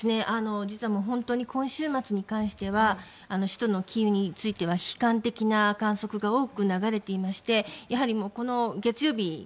実は本当に今週末に関しては首都のキエフについては悲観的な観測が多く流れていましてこの月曜日